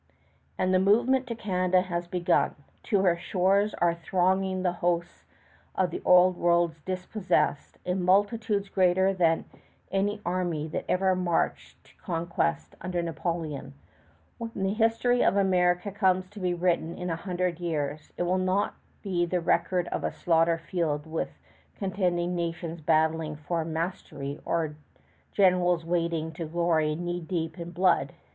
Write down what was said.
And the movement to Canada has begun. To her shores are thronging the hosts of the Old World's dispossessed, in multitudes greater than any army that ever marched to conquest under Napoleon. When the history of America comes to be written in a hundred years, it will not be the record of a slaughter field with contending nations battling for the mastery, or generals wading to glory knee deep in blood.